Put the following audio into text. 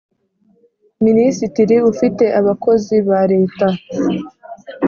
minisitiri ufite abakozi ba leta